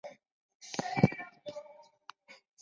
统一党是中华民国初年的政党。